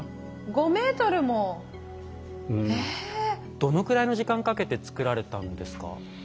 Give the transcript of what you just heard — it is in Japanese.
どのくらいの時間かけて作られたんですか？